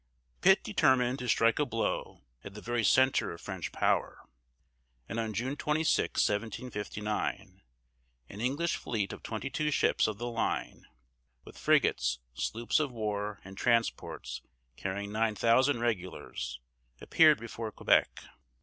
Pitt determined to strike a blow at the very centre of French power, and on June 26, 1759, an English fleet of twenty two ships of the line, with frigates, sloops of war, and transports carrying nine thousand regulars, appeared before Quebec.